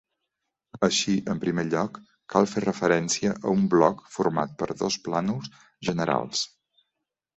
Així, en primer lloc, cal fer referència a un bloc format per dos plànols generals.